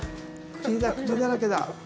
栗だらけだ！